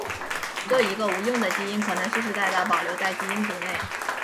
这一个无用的基因可能世世代代保留在基因组内。